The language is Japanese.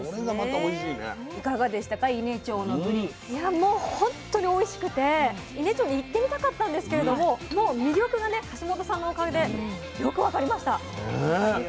もう本当においしくて伊根町に行ってみたかったんですけれどももう魅力がね橋本さんのおかげでよく分かりました。